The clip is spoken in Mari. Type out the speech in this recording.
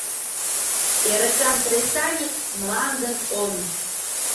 Эрыкан кресаньык — мландын он.